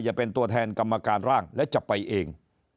จะเป็นตัวแทนกรรมการร่างและจะไปเอง